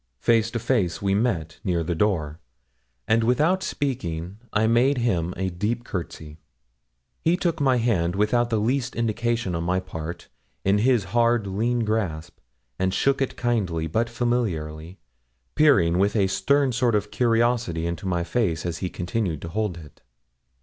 Face to face we met, near the door; and, without speaking, I made him a deep courtesy. He took my hand, without the least indication on my part, in his hard lean grasp, and shook it kindly, but familiarly, peering with a stern sort of curiosity into my face as he continued to hold it.